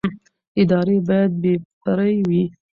ادارې باید بې پرې وي